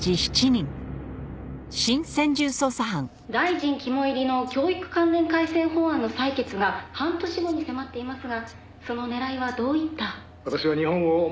「大臣肝煎りの教育関連改正法案の採決が半年後に迫っていますがその狙いはどういった？」